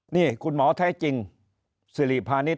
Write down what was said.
นี่คุณหมอไทยจิงศิริพานิษฐ์